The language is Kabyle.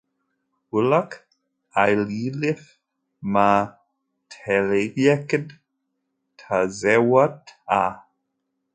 Ulac aɣilif ma tɣelqeḍ tazewwut-a?